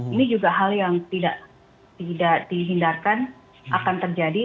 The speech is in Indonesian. ini juga hal yang tidak dihindarkan akan terjadi